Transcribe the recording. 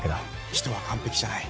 人は完璧じゃない。